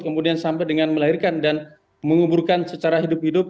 kemudian sampai dengan melahirkan dan menguburkan secara hidup hidup